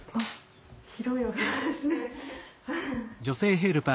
広いお部屋ですね。